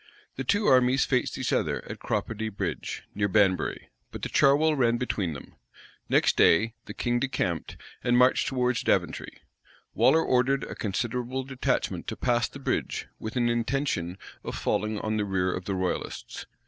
The two armies faced each other at Cropredy Bridge, near Banbury; but the Charwell ran between them. Next day, the king decamped, and marched towards Daventry. Waller ordered a considerable detachment to pass the bridge, with an intention of falling on the rear of the royalists.